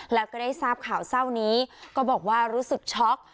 แล้วก็ได้ทราบข่าวเศร้านี้ก็บอกว่ารู้สึกช็อก